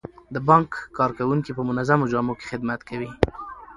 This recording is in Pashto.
د بانک کارکوونکي په منظمو جامو کې خدمت کوي.